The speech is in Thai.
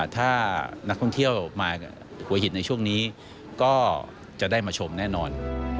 ถ้านักท่องเที่ยวมาหัวหินในช่วงนี้ก็จะได้มาชมแน่นอน